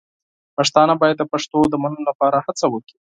پښتانه باید د پښتو د منلو لپاره هڅه وکړي.